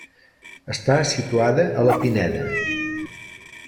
Està situada a la Pineda.